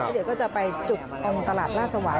เดี๋ยวก็จะไปจุกตรงตลาดราชสวาย